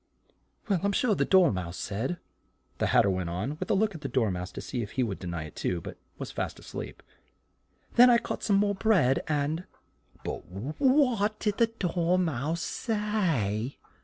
"Well, I'm sure the Dor mouse said " the Hat ter went on, with a look at the Dor mouse to see if he would de ny it too, but he was fast a sleep. "Then I cut some more bread and " "But what did the Dor mouse say?"